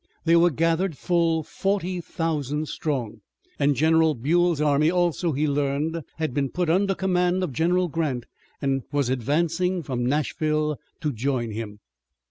They were gathered full forty thousand strong, and General Buell's army also, he learned, had been put under command of General Grant and was advancing from Nashville to join him.